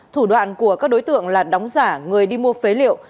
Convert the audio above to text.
thủ đoạn của các đối tượng là đóng giả người đi mua phế liệu